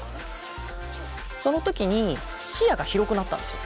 その時に視野が広くなったんですよ。